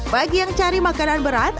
bagi yang cari makanan berat